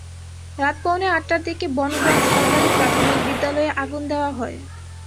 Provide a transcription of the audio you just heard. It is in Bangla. রাত পৌনে আটটার দিকে বনগ্রাম সরকারি প্রাথমিক বিদ্যালয়ে আগুন দেওয়া হয়।